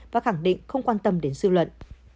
và khẳng định không quan tâm đến sự luận